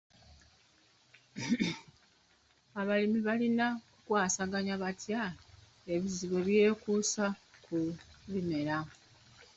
Abalimi balina kukwasaganya batya ebizibu ebyekuusa ku bimera?